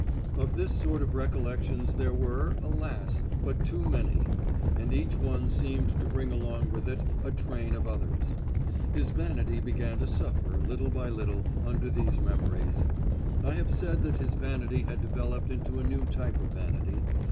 Of this sort of recollections there were, alas! but too many; and each one seemed to bring along with it a train of others. His vanity began to suffer, little by little, under these memories. I have said that his vanity had developed into a new type of vanity.